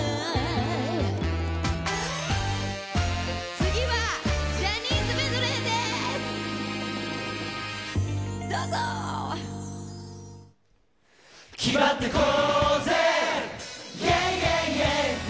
次は、ジャニーズメドレーです。